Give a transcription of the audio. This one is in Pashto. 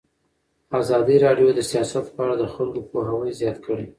ازادي راډیو د سیاست په اړه د خلکو پوهاوی زیات کړی.